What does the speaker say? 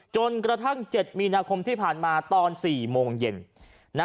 จนกระทั่ง๗มีนาคมที่ผ่านมาตอน๔โมงเย็น